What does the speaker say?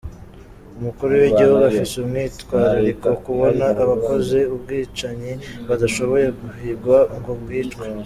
Umukuru w'igihugu afise umwitwarariko kubona abakoze ubwicanyi batashoboye guhigwa ngo bicwe.